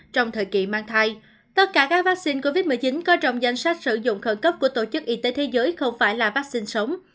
trong thời kỳ mang thai tất cả các vaccine covid một mươi chín có trong danh sách sử dụng khẩn cấp của tổ chức y tế thế giới không phải là vaccine sống